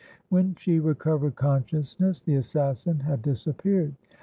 When she recovered consciousness, the assassin had disappeared.